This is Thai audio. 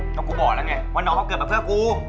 ก็กูบอกแล้วไงว่าน้องเขาเกิดมาเพื่อกู